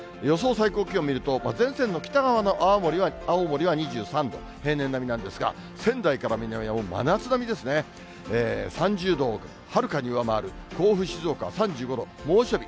最高気温見ると、前線の北側の青森は２３度、平年並みなんですが、仙台から南は真夏並みですね、３０度をはるかに上回る、甲府、静岡は３５度、猛暑日。